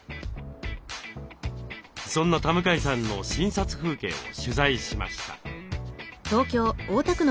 そんな田向さんの診察風景を取材しました。